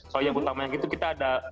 so yang utama yang gitu kita ada